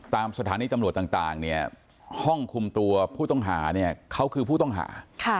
ตามสถานีตำรวจต่างเนี่ยห้องคุมตัวผู้ต้องหาเนี่ยเขาคือผู้ต้องหา